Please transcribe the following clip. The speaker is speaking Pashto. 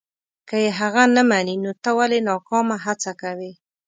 که یې هغه نه مني نو ته ولې ناکامه هڅه کوې.